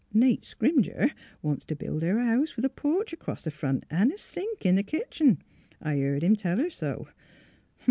Nate Scrimger wants t' build her a house with a porch acrost th' front an' a sink in th' kitchen; I heerd him tell her so.